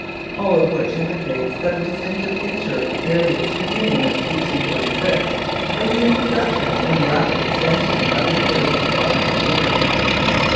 All of which indicates that a distinctive feature of the period beginning with 1846 was the introduction and rapid extension of improved farm machinery.